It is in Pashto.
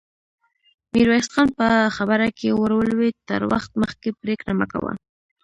ميرويس خان په خبره کې ور ولوېد: تر وخت مخکې پرېکړه مه کوه!